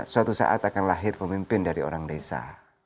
suatu saat akan lahir pemimpin dari orang desa